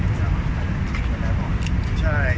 มึงจะชิงเชียว